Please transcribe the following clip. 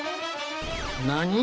何！？